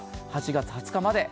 ８月２０日まで。